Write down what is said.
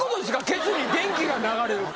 ケツに電気が流れるって。